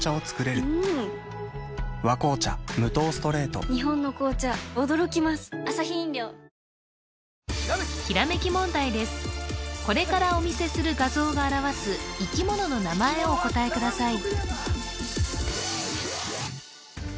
答えをどうぞこれからお見せする画像が表す生き物の名前をお答えください